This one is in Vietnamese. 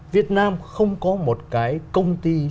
việt nam không có một cái công ty